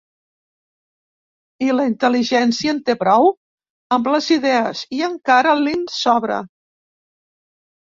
I la intel·ligència en té prou amb les idees i encara li'n sobra.